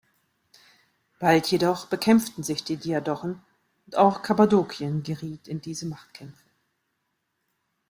Bald jedoch bekämpften sich die Diadochen und auch Kappadokien geriet in diese Machtkämpfe.